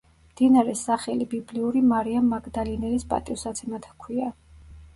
მდინარეს სახელი ბიბლიური მარიამ მაგდალინელის პატივსაცემად ჰქვია.